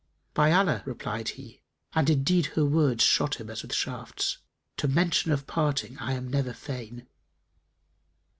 "By Allah," replied he (and indeed her words shot him as with shafts), "to mention of parting I am never fain!"